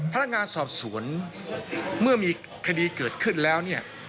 พนักงานสอบสวนเมื่อมีคดีเกิดขึ้นแล้วเนี่ย